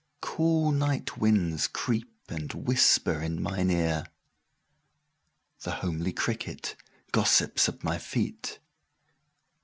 9Cool night winds creep, and whisper in mine ear.10The homely cricket gossips at my feet.